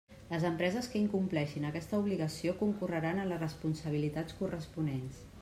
Les empreses que incompleixin aquesta obligació concorreran en les responsabilitats corresponents.